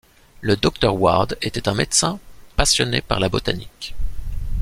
Le docteur Ward était un médecin, passionné par la botanique.